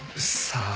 さあ。